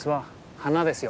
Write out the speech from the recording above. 花ですよ。